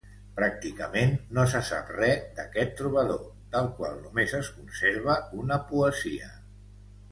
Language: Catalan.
Pràcticament no se sap res d'aquest trobador, del qual només es conserva una poesia.